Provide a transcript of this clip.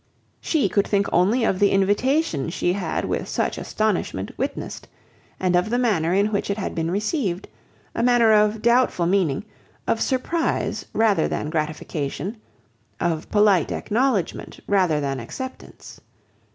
She could think only of the invitation she had with such astonishment witnessed, and of the manner in which it had been received; a manner of doubtful meaning, of surprise rather than gratification, of polite acknowledgement rather than acceptance.